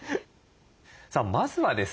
さあまずはですね